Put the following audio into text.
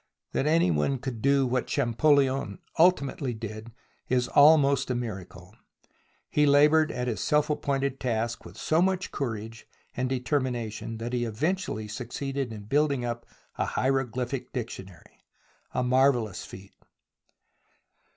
That any one could do what Champollion ultimately did is almost a miracle. He laboured at his self appointed task with so much courage and determination that he eventually succeeded in building up a hieroglyphic dictionary — a marvellous feat.